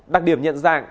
đặc điểm nhận dạng